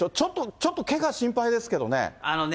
ちょっとけが、心配ですけどね。